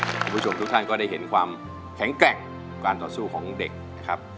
คุณผู้ชมทุกท่านก็ได้เห็นความแข็งแกร่งการต่อสู้ของเด็กนะครับ